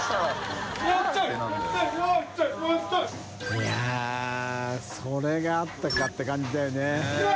い笋それがあったかって感じだよね。